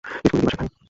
স্কুলটি দিবা শাখায়।